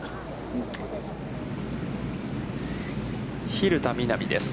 蛭田みな美です。